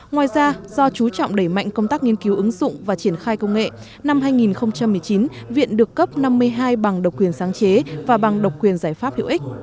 ngoài ra do chú trọng đẩy mạnh công tác nghiên cứu ứng dụng và triển khai công nghệ năm hai nghìn một mươi chín viện được cấp năm mươi hai bằng độc quyền sáng chế và bằng độc quyền giải pháp hữu ích